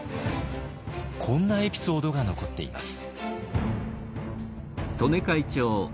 こんなエピソードが残っています。